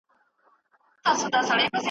نیمه شپه وه